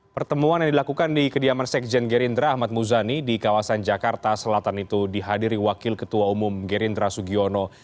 pertemuan yang dilakukan di kediaman sekjen gerindra ahmad muzani di kawasan jakarta selatan itu dihadiri wakil ketua umum gerindra sugiono